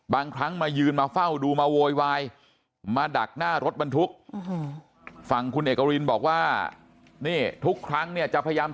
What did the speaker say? บางครั้งมายืนมาเฝ้าดูมาโวยวายมาดักหน้ารถบรรทุกฝั่งคุณเอกรินบอกว่านี่ทุกครั้งเนี่ยจะพยายาม